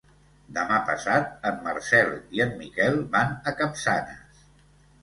Demà passat en Marcel i en Miquel van a Capçanes.